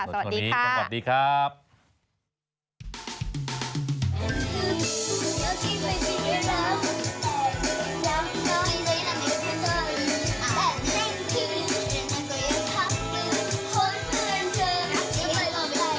สวัสดีค่ะสวัสดีครับ